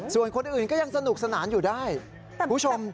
ส่วนคนอื่นก็ยังสนุกสนานอยู่ได้คุณผู้ชม